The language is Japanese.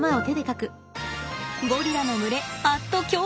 ゴリラの群れ＠京都。